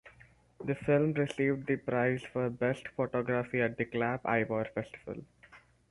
The film received the prize for best photography at the Clap Ivoire festival.